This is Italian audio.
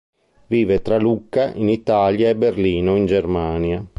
Vive tra Lucca, in Italia, e Berlino, in Germania.